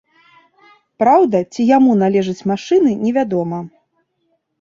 Праўда, ці яму належаць машыны невядома.